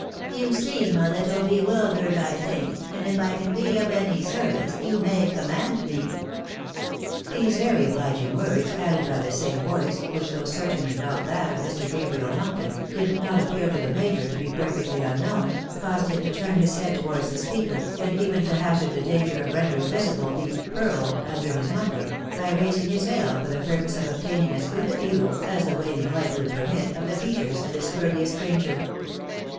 " You seem a little bewildered, I think, and if I can be of any service, you may command me." These very obliging words, added by the same voice, which 304 THE BAKNABYS IN AMERICA. though certainly not that of 'Mr. Gabriel Monkton, did not appear to the major to be perfectly unknown, caused him to turn his head towards the speaker, and even to hazard the danger of rendering visible the " peard under his muffler," by raising his veil for the purpose of obtaining as good a view, as the waning hght would, permit, of the features of this courteous stranger.